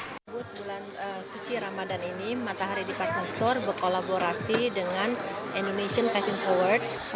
pada bulan suci ramadan ini matahari departemen store berkolaborasi dengan indonesia fashion forward